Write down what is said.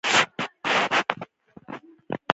پرګلونو او پر بوټو دي، پوښتنه وکړئ !!!